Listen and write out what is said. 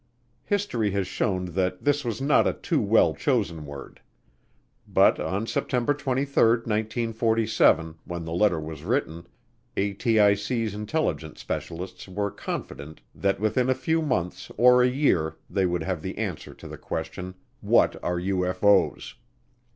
History has shown that this was not a too well chosen word. But on September 23, 1947, when the letter was written, ATICs intelligence specialists were confident that within a few months or a year they would have the answer to the question, "What are UFO's?"